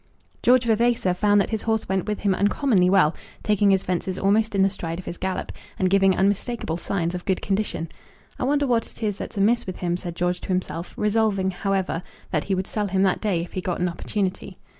George Vavasor found that his horse went with him uncommonly well, taking his fences almost in the stride of his gallop, and giving unmistakeable signs of good condition. "I wonder what it is that's amiss with him," said George to himself, resolving, however, that he would sell him that day if he got an opportunity.